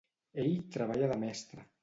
Ell treballa de mestre.